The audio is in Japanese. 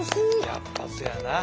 やっぱそやな。